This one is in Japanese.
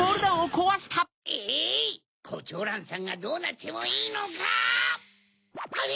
えいコチョウランさんがどうなってもいいのか⁉あれ？